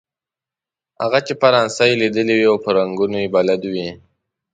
هغه چې فرانسه یې ليدلې وي او په رنګونو يې بلد وي.